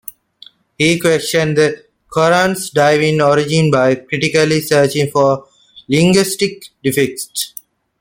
He questioned the Qur'an's divine origin by critically searching for linguistic defects.